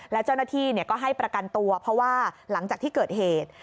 และเจ้าหน้าที่ก็ให้ประกันตัวเพราะว่าหลังจากที่เกิดเหตุ